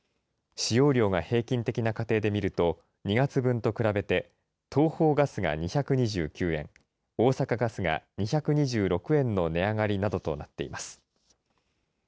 使用量が平均的な家庭で見ると、２月分と比べて、東邦ガスが２２９円、大阪ガスが２２６円の値上がりなどとなっています。